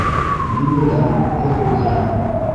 Мин беләм: һеҙ өйҙә!